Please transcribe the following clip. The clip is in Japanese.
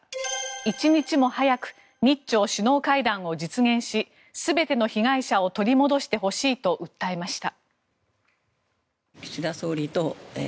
一日も早く日朝首脳会談を実現し全ての被害者を取り戻してほしいと訴えました。